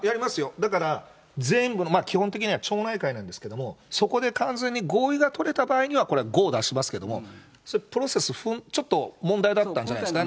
だから、全部の基本的には町内会なんですけど、そこで完全に合意が取れた場合にはこれはゴーを出しますけど、そういうプロセス、ちょっと問題だったんじゃないですか。